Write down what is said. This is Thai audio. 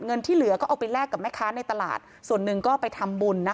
ที่เหลือก็เอาไปแลกกับแม่ค้าในตลาดส่วนหนึ่งก็ไปทำบุญนะคะ